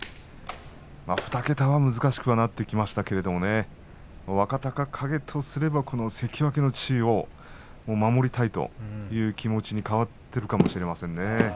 ２桁は難しくなってきましたけれど若隆景とすればこの関脇の地位を守りたいという気持ちに変わっているかもしれませんね。